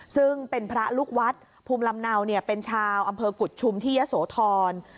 ซึ่งเป็นพระลูกวัดภูมิลำเนาเป็นชาวอำเภอกุฎชุมที่ยะโสธร